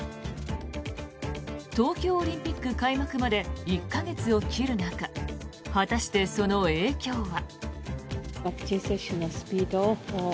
東京オリンピック開幕まで１か月を切る中果たして、その影響は。